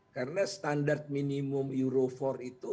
karena standar minimum euro empat itu